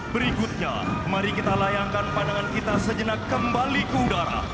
berikutnya mari kita layangkan pandangan kita sejenak kembali ke udara